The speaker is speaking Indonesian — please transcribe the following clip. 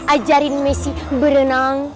ajarin messi berenang